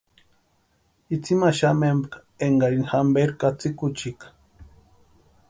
Itsïmaxamempka énkarini jamperu katsïkuchika.